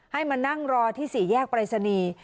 ให้มานั่งรอที่ศรีแยกปริศนี